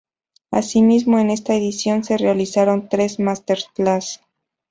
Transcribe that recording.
Asimismo, en esta edición se realizaron tres Master-class.